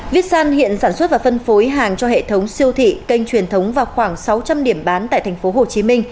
vitsan hiện sản xuất và phân phối hàng cho hệ thống siêu thị kênh truyền thống và khoảng sáu trăm linh điểm bán tại tp hcm